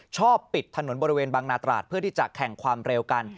ชอบปิดถนนบริเวณบางนาตราดเพื่อที่จะแข่งความเร็วกัน